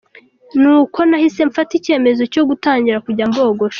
Ni uko nahise mfata icyemezo cyo gutangira kujya mbogosha.